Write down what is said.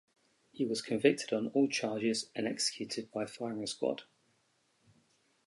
He was convicted on all charges and executed by firing squad.